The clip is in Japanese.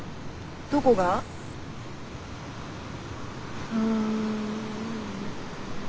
どこが？ん。